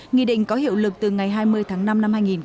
nghị định có hiệu lực từ ngày hai mươi tháng năm năm hai nghìn hai mươi